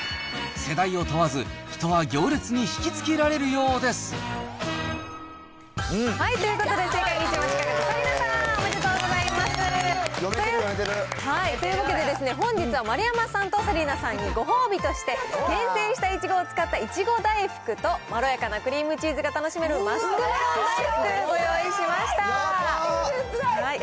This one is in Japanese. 世代を問わず、人は行列に引き付けられるようです。ということで、正解に一番近かった紗理奈さん、おめでとうございます。というわけでですね、本日は丸山さんと紗理奈さんに、ご褒美として、厳選したイチゴを使ったいちご大福と、まろやかなクリームチーズが楽しめるマスクメロン大福、ご用意しやばー。え？